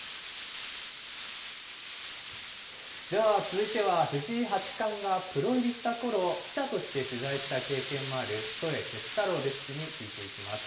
では、続いては藤井八冠がプロ入りしたころ、記者として取材した経験もある、添徹太郎デスクに聞いていきます。